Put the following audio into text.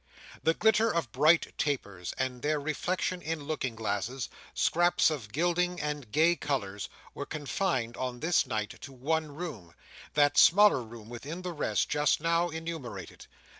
The glitter of bright tapers, and their reflection in looking glasses, scraps of gilding and gay colours, were confined, on this night, to one room—that smaller room within the rest, just now enumerated.